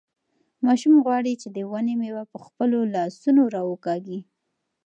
ماشوم غواړي چې د ونې مېوه په خپلو لاسونو راوکاږي.